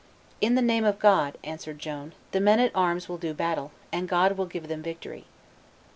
"In the name of God," answered Joan, "the men at arms will do battle, and God will give them victory."